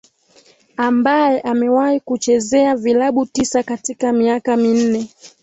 ambaye amewahi kuchezea vilabu tisa katika miaka minne